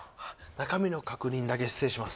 中身の確認だけ失礼します